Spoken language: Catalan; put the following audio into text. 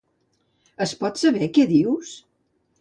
Es pot saber què dius?